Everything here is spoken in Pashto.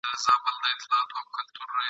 د راډیو په تالار کي !.